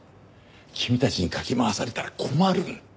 君たちにかき回されたら困る！